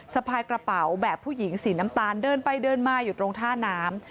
สะพายกระเป๋าแบบผู้หญิงสีน้ำตาลเดินไปเดินมาอยู่ตรงท่าน้ำ